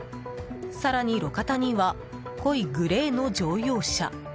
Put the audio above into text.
更に、路肩には濃いグレーの乗用車。